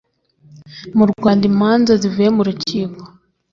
mu rwanda imanza zivuye mu rukiko